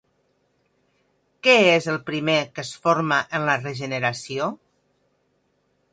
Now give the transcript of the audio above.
Què és el primer que es forma en la regeneració?